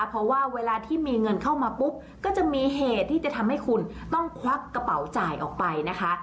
เพราะว่าเวลาที่มีเงินเข้ามาปุ๊บก็จะมีเหตุที่จะทำให้คุณต้องควักกระเป๋าจ่ายออกไปนะคะ